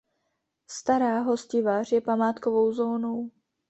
Stará Hostivař je památkovou zónou.